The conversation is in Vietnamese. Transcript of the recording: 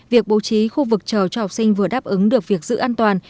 việc bố trí khu vực chờ cho học sinh vừa đáp ứng được việc giữ an toàn